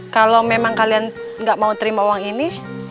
kalau memang kalian nggak mau terima uang ini